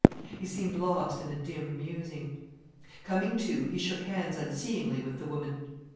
He seemed lost in a dim musing. Coming to, he shook hands unseeingly with the woman.